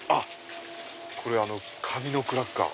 これ紙のクラッカー。